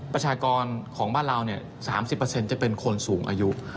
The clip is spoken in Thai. ประชากรของบ้านเรา๓๐จะเป็นคนสูงอายุ